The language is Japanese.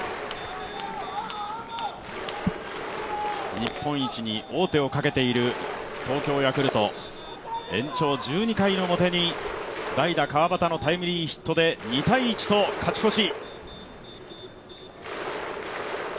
日本一に王手をかけている東京ヤクルト、延長１２回の表に代打・川端のタイムリーヒットで２−１と勝ち越し。